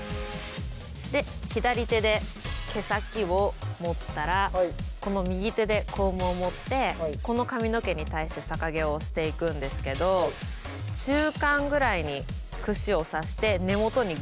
で左手で毛先を持ったらこの右手でコームを持ってこの髪の毛に対して逆毛をしていくんですけど中間ぐらいにくしを挿して根元にグッと。